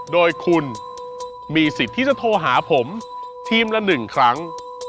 โดยคุณมีสิทธิ์ที่จะโทรหาผมทีมละ๑ครั้ง